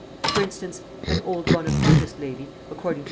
For instance, an old Bonapartist lady, according to M.